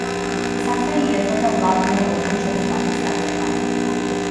სახელი ეწოდა ვლადიმერ ობრუჩევის პატივსაცემად.